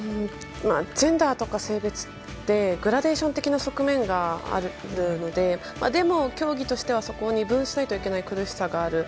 ジェンダーとか性別ってグラデーション的な側面があるのででも競技としてはそこを二分しないといけない苦しさがある。